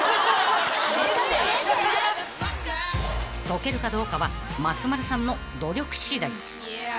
［解けるかどうかは松丸さんの努力次第］